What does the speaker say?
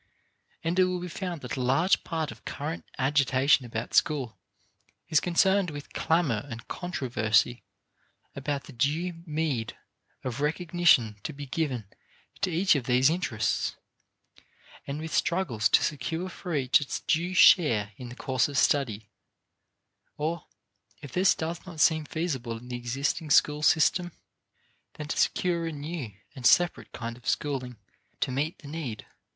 And it will be found that a large part of current agitation about schools is concerned with clamor and controversy about the due meed of recognition to be given to each of these interests, and with struggles to secure for each its due share in the course of study; or, if this does not seem feasible in the existing school system, then to secure a new and separate kind of schooling to meet the need.